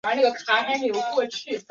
由牛党人物钱徽主持。